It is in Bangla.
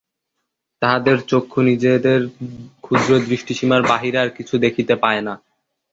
তাহাদের চক্ষু নিজেদের ক্ষুদ্র দৃষ্টিসীমার বাহিরে আর কিছু দেখিতে পায় না।